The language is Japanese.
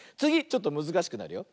ちょっとむずかしくなるよ。